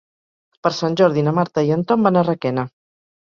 Per Sant Jordi na Marta i en Tom van a Requena.